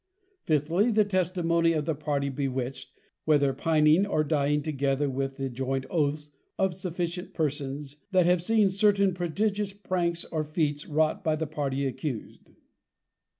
Fifthly, The Testimony of the Party bewitched, whether pining or dying, together with the joynt Oaths of sufficient persons, that have seen certain prodigious Pranks or Feats, wrought by the Party accused.